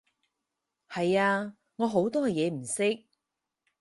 係啊，我好多嘢唔識